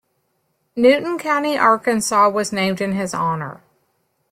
Newton County, Arkansas was named in his honor.